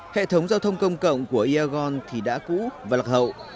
hệ thống giao thông công cộng của iagon thì đã cũ và lạc hậu